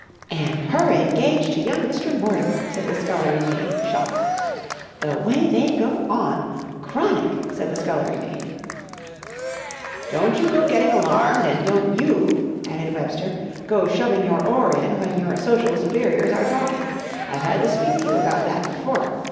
"And her engaged to young Mr. Mortimer!" said the scullery maid, shocked. "The way they go on. Chronic!" said the scullery maid. "Don't you go getting alarmed! And don't you," added Webster, "go shoving your oar in when your social superiors are talking! I've had to speak to you about that before.